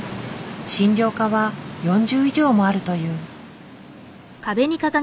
診療科は４０以上もあるという。